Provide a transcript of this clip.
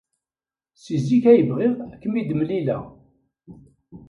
Seg zik ay bɣiɣ ad kem-id-mlileɣ.